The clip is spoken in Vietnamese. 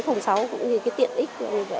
cũng như tiện ích của người